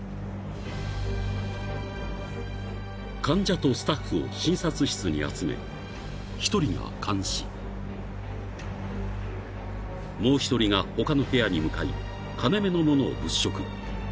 ［患者とスタッフを診察室に集め１人が監視もう１人が他の部屋に向かい金目のものを物色］